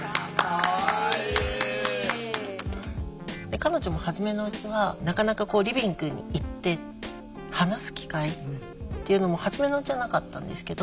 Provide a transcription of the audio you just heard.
彼女もはじめのうちはなかなかこうリビングに行って話す機会っていうのもはじめのうちはなかったんですけど。